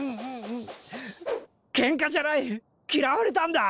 ケンカじゃない嫌われたんだ！